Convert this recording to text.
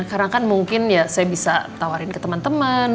karena kan mungkin ya saya bisa tawarin ke temen temen